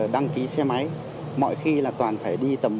đăng ký nhiều hay ít